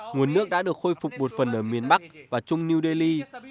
nguồn nước đã được khôi phục một phần ở miền bắc và trung new delhi